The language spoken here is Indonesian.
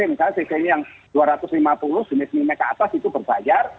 misalnya cc ini yang dua ratus lima puluh jenis mil meka atas itu berbayar